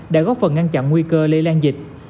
đã góp phần ngăn chặn nguy cơ lây lan dịch